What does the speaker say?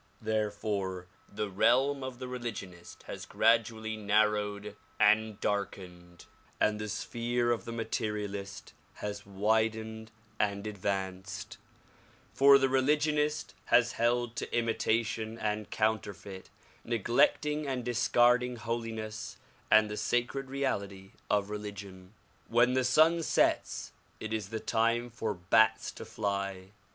Therefore the realm of the religionist has gradually narrowed and darkened and the sphere of the materialist has widened and advanced; for the religionist has held to imitation and counterfeit, neglecting and discarding holiness and the sacred reality of religion. When the sun sets it is the time for bats to fly.